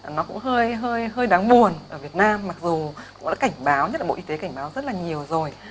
nó cũng hơi đáng buồn ở việt nam mặc dù đã cảnh báo nhất là bộ y tế cảnh báo rất là nhiều rồi